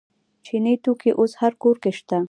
چیني توکي اوس هر کور کې شته.